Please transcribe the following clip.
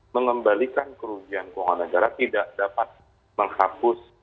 mengembalikan kerugian keuangan negara tidak dapat menghapus